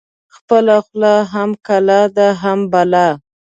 خپله خوله هم کلا ده هم بلا.